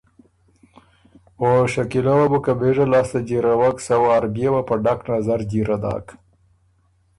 او شکیلۀ وه بُو که بېژه لاسته جیرَوَک سۀ وار بيې وه په ډک نظر جیره داک